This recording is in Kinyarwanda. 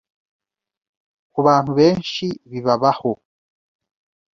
Ku bantu benshi bibabaho,